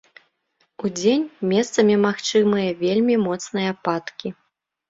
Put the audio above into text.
Удзень месцамі магчымыя вельмі моцныя ападкі.